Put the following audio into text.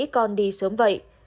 con đi sớm vậy